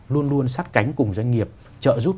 luôn luôn sát cánh cùng doanh nghiệp trợ giúp